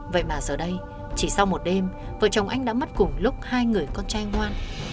vậy mà giờ đây chỉ sau một đêm vợ chồng anh đã mất cùng lúc hai người con trai ngoan